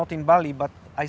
kita tidak berada di bali